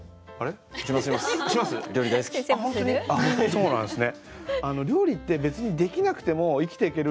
そうなんですね。